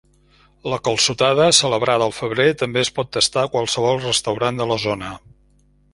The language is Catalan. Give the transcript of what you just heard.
La calçotada, celebrada al febrer, també es pot tastar a qualsevol restaurant de la zona.